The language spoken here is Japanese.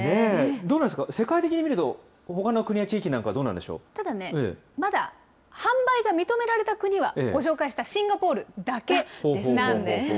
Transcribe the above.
どうなんですか、世界的に見ると、ほかの国や地域なんかどうただね、まだ販売が認められた国は、ご紹介したシンガポールだけなんですね。